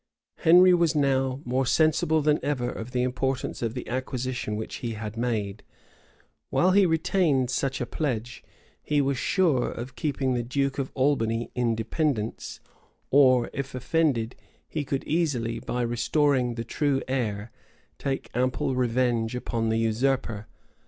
[*] Henry was now more sensible than ever of the importance of the acquisition which he had made: while he retained such a pledge, he was sure of keeping the duke of Albany in dependence; or, if offended, he could easily, by restoring the true heir, take ample revenge upon the usurper.